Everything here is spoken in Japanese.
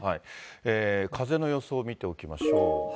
風の予想見ておきましょう。